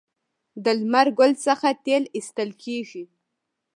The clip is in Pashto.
د لمر ګل څخه تیل ایستل کیږي.